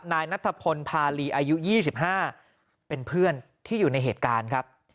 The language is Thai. นายนัทพลพาลีอายุ๒๕เป็นเพื่อนที่อยู่ในเหตุการณ์ครับ